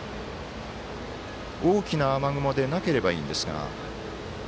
大きな雨雲でなければいいんですが。